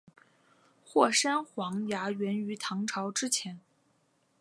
霍山黄芽源于唐朝之前。